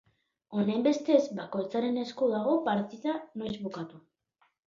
Honenbestez bakoitzaren esku dago partida noiz bukatu.